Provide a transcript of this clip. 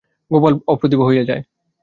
গোপাল অপ্রতিভ হইয়া যায়।